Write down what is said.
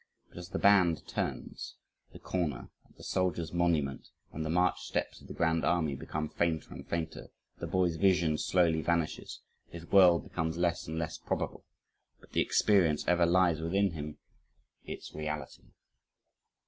But as the band turns the corner, at the soldiers' monument, and the march steps of the Grand Army become fainter and fainter, the boy's vision slowly vanishes his "world" becomes less and less probable but the experience ever lies within him in its reality.